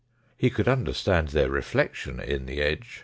He could under stand their reflection in the edge.